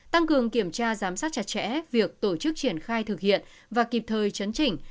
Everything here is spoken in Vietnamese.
tăng cường kiểm tra giám sát chặt chẽ việc tổ chức triển khai thực hiện và kịp thời chấn chỉnh